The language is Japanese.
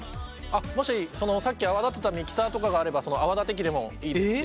もしさっき泡立てたミキサーとかがあればその泡立て器でもいいですし。